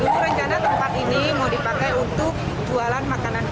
kucing dan anjing ini diketahui tidak berhubungan dengan kucing dan anjing